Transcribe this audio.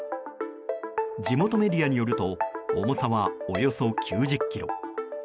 地元メディアによると重さは、およそ９０ｋｇ。